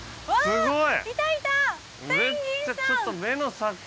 すごい。